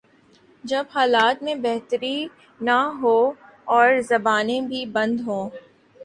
جب حالات میں بہتری نہ ہو اور زبانیں بھی بند ہوں۔